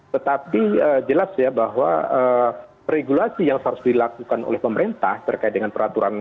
tetapi jelas ya bahwa regulasi yang harus dilakukan oleh pemerintah terkait dengan peraturan